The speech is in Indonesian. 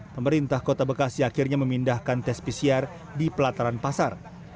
pemerintah kota bekasi akhirnya memindahkan tes pcr di pelataran pasar